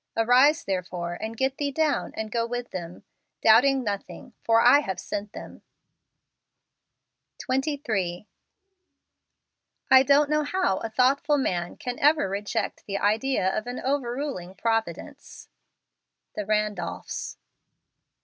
Arise therefore, and get thee down, and go with them, doubting nothing: for I have sent them." 23. I don't know how a thoughtful man can ever reject the idea of an overruling Providence. The Randolphs.